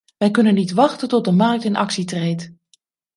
Wij kunnen niet wachten tot de markt in actie treedt.